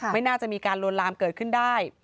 ไม่น่าจะมีการลวนลามเกิดขึ้นได้